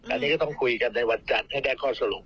อันนี้ก็ต้องคุยกันในวันจันทร์ให้ได้ข้อสรุป